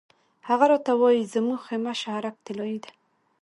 هغه راته وایي زموږ خیمه شهرک طلایي دی.